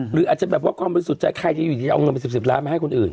หรืออาจจะแบบว่าความบริสุทธิ์ใจใครจะอยู่ดีจะเอาเงินไป๑๐ล้านมาให้คนอื่น